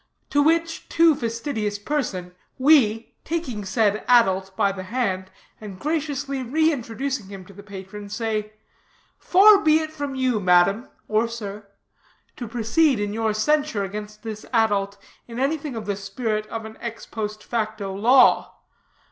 To which too fastidious patron, we, taking said adult by the hand, and graciously reintroducing him to the patron, say: 'Far be it from you, madam, or sir, to proceed in your censure against this adult, in anything of the spirit of an ex post facto law.